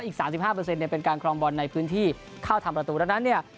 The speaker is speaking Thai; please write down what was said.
อีก๓๕เปอร์เซ็นต์เป็นการคลองบอลในพื้นที่เข้าทางประตูแล้วนั้นเนี่ย